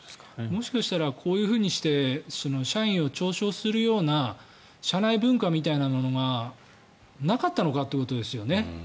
もしかしてこういうふうにして社員を嘲笑するような社内文化というのがなかったのかということですよ。